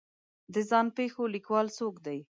د ځان پېښو لیکوال څوک دی